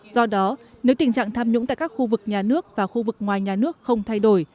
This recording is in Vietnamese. do đó nếu tình trạng tham nhũng tại các khu vực nhà nước và khu vực ngoài nhà nước không thay đổi